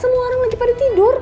semua orang lagi pada tidur